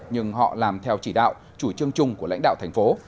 nhưng họ làm theo chỉ đạo chủ trương chung của lãnh đạo thành phố